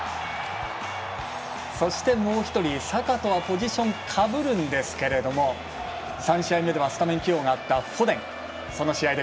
そして、もう１人サカとはポジションかぶるんですけど３試合目ではスタメン起用があったフォデン。